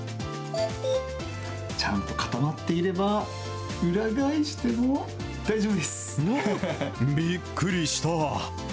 ちゃんと固まっていれば、びっくりした！